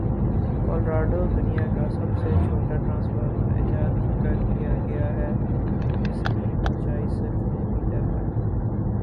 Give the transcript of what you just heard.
Colorado دنیا کا سب سے چھوٹا ٹرانسفارمر ایجاد کرلیا گیا ہے جس کے اونچائی صرف ملی میٹر ہے